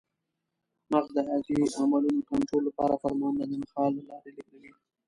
مغز د حیاتي عملونو کنټرول لپاره فرمانونه د نخاع له لارې لېږدوي.